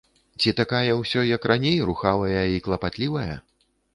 Ці такая ўсё, як раней, рухавая і клапатлівая?